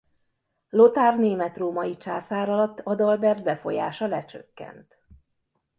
Lothár német-római császár alatt Adalbert befolyása lecsökkent.